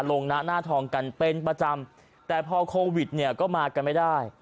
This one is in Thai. ลงหน้าหน้าทองกันเป็นประจำแต่พอโควิดเนี่ยก็มากันไม่ได้